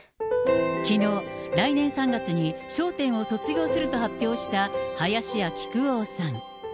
きのう、来年３月に笑点を卒業すると発表した林家木久扇さん。